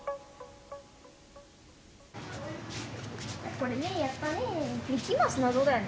これねやったね。